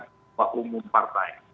sampaikan kepada umum partai